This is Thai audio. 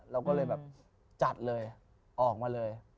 เราก็เลยแบบจัดเลยออกมาเลย